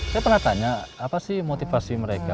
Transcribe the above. saya pernah tanya apa sih motivasi mereka